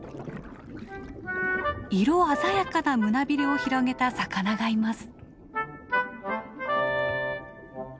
色鮮やかな胸びれを広げた魚がいます。